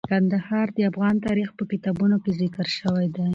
کندهار د افغان تاریخ په کتابونو کې ذکر شوی دی.